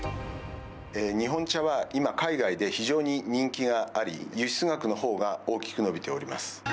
日本茶は今、海外で非常に人気があり、輸出額のほうが大きく伸びております。